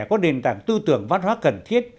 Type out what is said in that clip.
có nền tảng tư tưởng văn hóa cần thiết